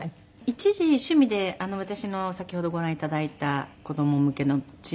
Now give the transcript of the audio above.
一時趣味で私の先ほどご覧頂いた子供向けのチームの中に。